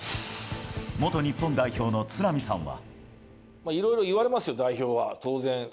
元日本代表の都並さんは。